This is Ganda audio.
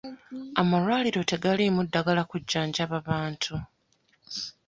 Amalwaliro tegaliimu ddagala kujjanjaba bantu .